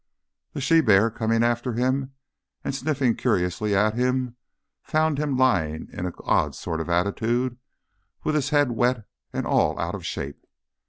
The she bear coming after him and sniffing curiously at him, found him lying in an odd sort of attitude, with his head wet and all out of shape.